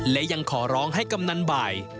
และยังขอร้องให้กำนันบ่าย